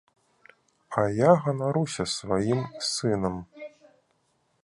А я ганаруся сваім сынам.